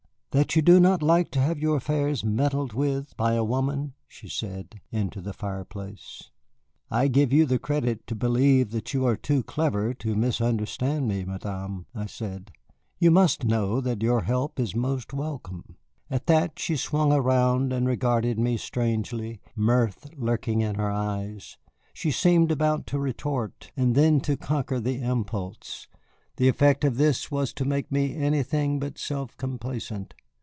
"That you do not like to have your affairs meddled with by a woman," she said, into the fireplace. "I give you the credit to believe that you are too clever to misunderstand me, Madame," I said. "You must know that your help is most welcome." At that she swung around and regarded me strangely, mirth lurking in her eyes. She seemed about to retort, and then to conquer the impulse. The effect of this was to make me anything but self complacent.